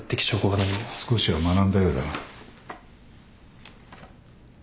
少しは学んだようだな。